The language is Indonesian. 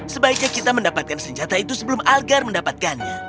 sebaiknya kita mendapatkan senjata itu sebelum algar mendapatkannya